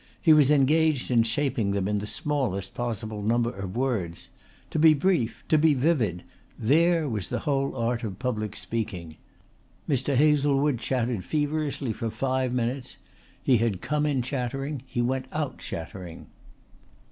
He was engaged in shaping them in the smallest possible number of words. To be brief, to be vivid there was the whole art of public speaking. Mr. Hazlewood chattered feverishly for five minutes; he had come in chattering, he went out chattering.